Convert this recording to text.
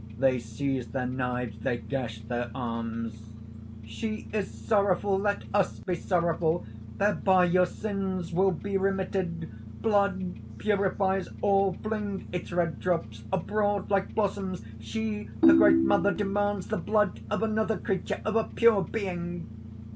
They seize their knives; they gash their arms._) "She is sorrowful; let us be sorrowful! Thereby your sins will be remitted. Blood purifies all fling its red drops abroad like blossoms! She, the Great Mother, demands the blood of another creature of a pure being!"